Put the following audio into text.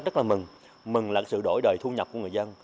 rất là mừng mừng là sự đổi đời thu nhập của người dân